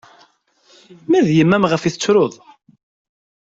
Ma d yemma-m ɣef i tettruḍ?